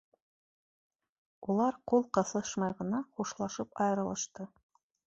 Улар ҡул ҡыҫышмай ғына хушлашып айырылышты.